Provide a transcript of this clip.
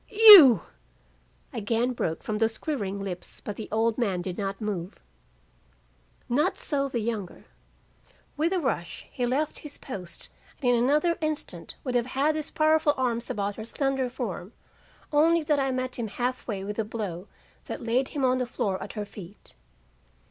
"'You ' again broke from those quivering lips, but the old man did not move. "Not so the younger. With a rush he left his post and in another instant would have had his powerful arms about her slender form, only that I met him half way with a blow that laid him on the floor at her feet.